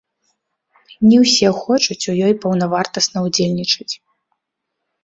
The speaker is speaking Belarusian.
Не ўсе хочуць у ёй паўнавартасна ўдзельнічаць.